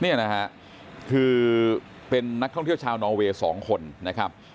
เนี่ยนะฮะคือเป็นนักท่องเที่ยวชาวนอเวย์๒คนนะครับ